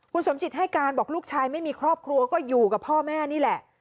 คุณสมจิตให้การบอกลูกชายไม่มีครอบครัวก็อยู่กับพ่อแม่นี่แหละ